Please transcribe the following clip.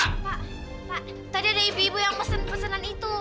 pak tadi ada ibu ibu yang mesen pesenan itu